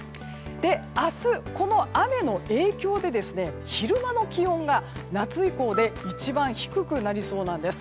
明日、この雨の影響で昼間の気温が夏以降で一番低くなりそうなんです。